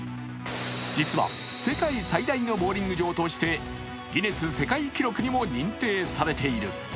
実は世界最大のボウリング場としてギネス世界記録にも認定されている。